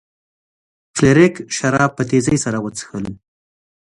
فلیریک شراب په تیزۍ سره وڅښل.